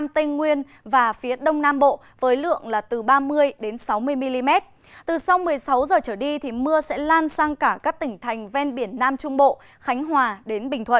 từ sau một mươi sáu h trở đi thì mưa sẽ lan sang cả các tỉnh thành ven biển nam trung bộ khánh hòa đến bình thuận